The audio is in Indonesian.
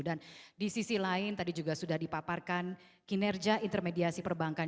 dan di sisi lain tadi juga sudah dipaparkan kinerja intermediasi perbankan